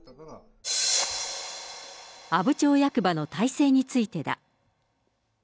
阿武町役場の体制についてだ。